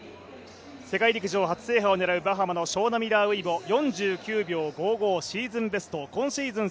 世界陸上初制覇を目指すバハマのショウナ・ミラー・ウイボ４９秒５５、シーズン